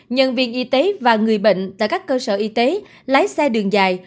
nhân viên y tế và người bệnh tại các cơ sở y tế lái xe đường dài